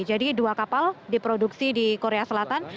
jadi dua kapal diproduksi di korea selatan